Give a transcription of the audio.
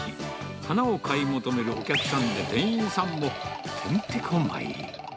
花を買い求めるお客さんで、店員さんもてんてこ舞い。